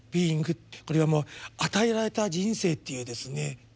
ｂｅｉｎｇこれはもう「与えられた人生」っていうですね